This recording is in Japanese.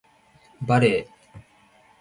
バレー